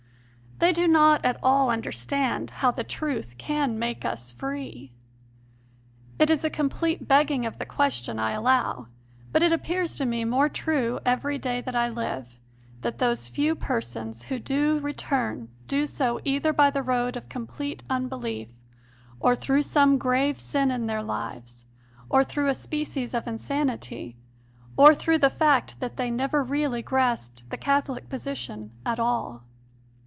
They do not at all understand how "the truth can make (us) free." It is a complete begging of the question, I allow, but it appears to me more true every day that I live, that those few persons who do return do so either by the road of complete unbelief, or through some grave sin in their lives, or through a species of insanity, or through the fact that they never really grasped the Catholic position at all.